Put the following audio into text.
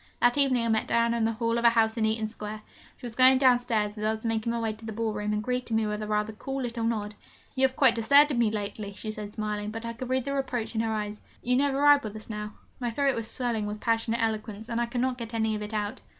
That evening I met Diana in the hall of a house in Eaton Square. She was going downstairs as I was making my way to the ball room, and greeted me with a rather cool little nod. 'You have quite deserted me lately,' she said, smiling, but I could read the reproach in her eyes, 'you never ride with us now.' My throat was swelling with passionate eloquence and I could not get any of it out.